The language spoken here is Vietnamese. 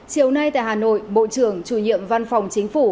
chiều nay tại hà nội bộ trưởng chủ nhiệm văn phòng chính phủ